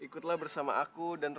kok sama perempuan